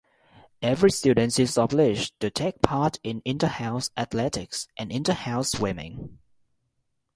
Every student is obliged to take part in inter-house athletics and inter-house swimming.